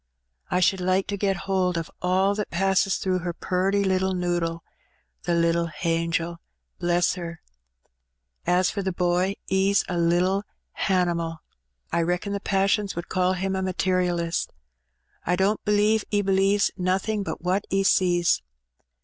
I should like to get howld o' all that passes through her purty little noddle, the little hangel — ^bless her ! As for the boy, 'e's a little hanimal. I reckon the passons would call him a materialist. I don't believe 'e believes nothing but what 'e sees.